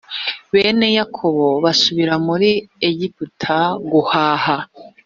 bene yakobo basubira muri egiputa guhaha.